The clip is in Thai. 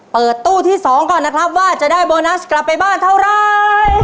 เปิดตู้ที่๒ก่อนนะครับว่าจะได้โบนัสกลับไปบ้านเท่าไร